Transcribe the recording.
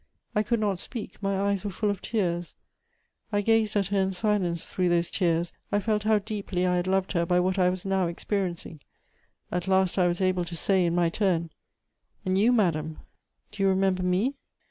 I could not speak; my eyes were full of tears; I gazed at her in silence through those tears; I felt how deeply I had loved her by what I was now experiencing. At last I was able to say, in my turn: "And you, madam, do you remember me?"